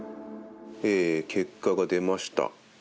結果が出ました。